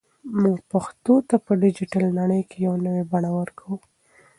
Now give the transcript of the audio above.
موږ پښتو ته په ډیجیټل نړۍ کې یو نوی بڼه ورکوو.